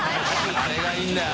あれがいいんだよ